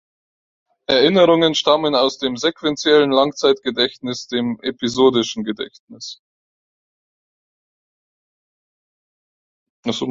Erinnerungen stammen aus dem sequenziellen Langzeitgedächtnis, dem episodischen Gedächtnis.